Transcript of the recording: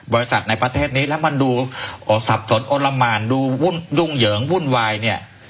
บริษัทในประเทศนี้แล้วมันดูสับสนโอละหมานดูยุ่งเหยิงวุ่นวายเนี่ย